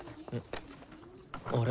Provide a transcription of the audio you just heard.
あれ？